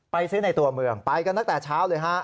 ซื้อในตัวเมืองไปกันตั้งแต่เช้าเลยฮะ